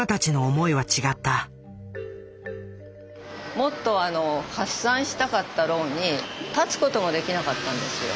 もっと発散したかったろうに立つ事もできなかったんですよ。